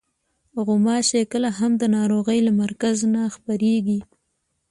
غوماشې کله هم د ناروغۍ له مرکز نه خپرېږي.